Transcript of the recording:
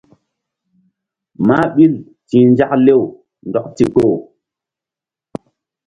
Mah ɓil ti̧h nzak lew ndɔk ndikpoh.